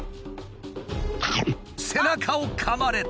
背中をかまれた。